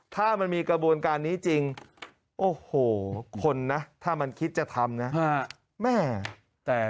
ถ้ามันมีกระบวนการนี้จริงโอ้โหคนนะถ้ามันคิดจะทำนะ